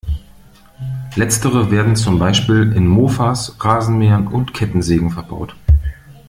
Letztere werden zum Beispiel in Mofas, Rasenmähern und Kettensägen verbaut.